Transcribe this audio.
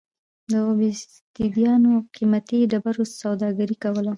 د اوبسیدیان قېمتي ډبرو سوداګري کوله.